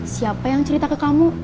siapa yang cerita ke kamu